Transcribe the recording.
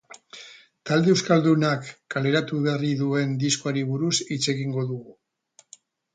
Talde euskaldunak kaleratu berri duen diskoari buruz hitz egingo dugu.